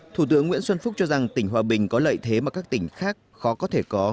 thủ tướng nguyễn xuân phúc cho rằng tỉnh hòa bình có lợi thế mà các tỉnh khác khó có thể có